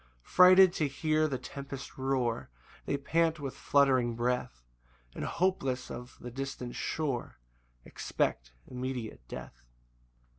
4 Frighted to hear the tempest roar, They pant with fluttering breath, And, hopeless of the distant shore, Expect immediate death.